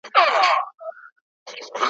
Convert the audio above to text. زړه یې لکه اوښکه د یعقوب راته زلال کړ ,